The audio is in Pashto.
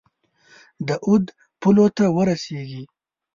د اود پولو ته ورسیږي.